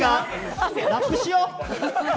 ラップしよう？